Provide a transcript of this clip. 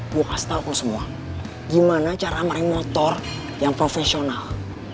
gue kasih tau ke lo semua gimana cara main motor yang profesional